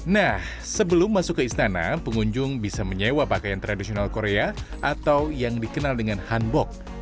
nah sebelum masuk ke istana pengunjung bisa menyewa pakaian tradisional korea atau yang dikenal dengan hanbok